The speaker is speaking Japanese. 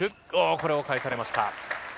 これは返されました。